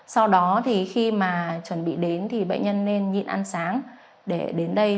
sau đó thì khi mà chuẩn bị đến thì bệnh nhân nên nhịn ăn sáng để đến đây